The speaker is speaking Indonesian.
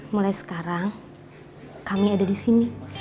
mulai sekarang kami ada di sini